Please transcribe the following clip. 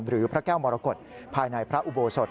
พระแก้วมรกฏภายในพระอุโบสถ